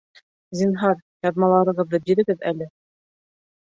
Зинһар, яҙмаларығыҙҙы бирегеҙ әле